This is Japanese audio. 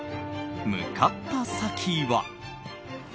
向かった先は。